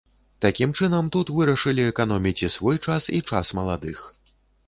Такім чынам тут вырашылі эканоміць і свой час, і час маладых.